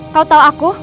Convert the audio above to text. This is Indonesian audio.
kamu tahu aku